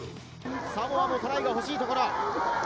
サモアもトライが欲しいところ。